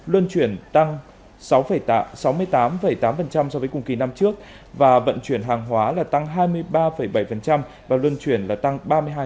luân chuyển tăng sáu mươi tám tám so với cùng kỳ năm trước và vận chuyển hàng hóa là tăng hai mươi ba bốn